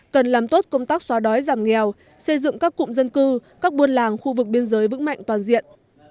cần làm tốt công tác xóa đói giảm nghèo xây dựng các cụm dân cư các buôn làng khu vực biên giới vững mạnh toàn diện